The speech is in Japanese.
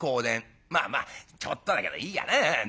まあまあちょっとだけどいいやな本当に。